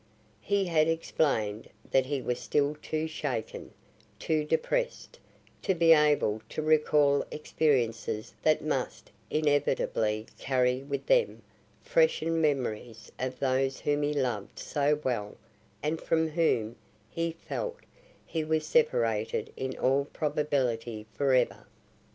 He had explained that he was still too shaken, too depressed, to be able to recall experiences that must inevitably carry with them freshened memories of those whom he loved so well and from whom, he felt, he was separated in all probability forever.